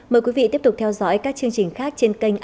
mời quý vị tiếp tục theo dõi các chương trình khác trên kênh antv